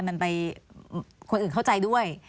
มันไปคนอื่นเข้าใจด้วย